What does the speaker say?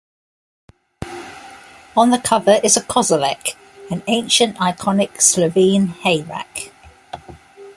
On the cover is a kozolec, an ancient iconic Slovene hayrack.